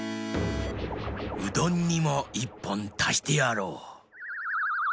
うどんにも１ぽんたしてやろう。